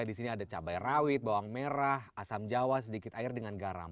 di sini ada cabai rawit bawang merah asam jawa sedikit air dengan garam